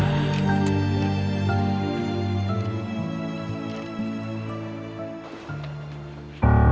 hisi yang kelihatannya itu bersub kaya